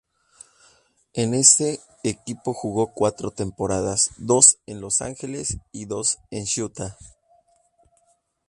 En ese equipo jugó cuatro temporadas, dos en Los Angeles y dos en Utah.